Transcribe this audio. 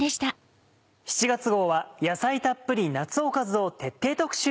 ７月号は「野菜たっぷり夏おかず」を徹底特集！